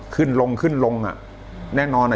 ขึ้นลงขึ้นลงอ่ะแน่นอน